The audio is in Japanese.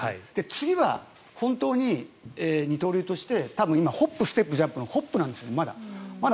次は本当に二刀流として多分、今ホップ・ステップ・ジャンプのホップなんです、まだ。